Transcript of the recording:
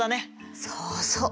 そうそう。